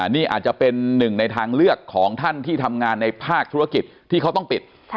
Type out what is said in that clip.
นี่อาจจะเป็นหนึ่งในทางเลือกของท่านที่ทำงานในภาคธุรกิจที่เขาต้องปิด